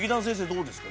どうですか？